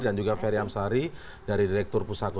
dan juga ferry amsari dari direktur pusatku